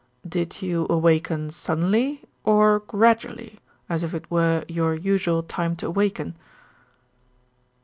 "Did you awaken suddenly, or gradually as if it were your usual time to awaken?"